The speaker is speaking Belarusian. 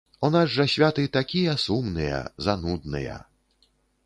У нас жа святы такія сумныя, занудныя.